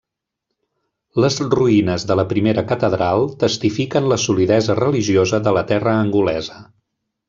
Les ruïnes de la primera catedral testifiquen la solidesa religiosa de la terra angolesa.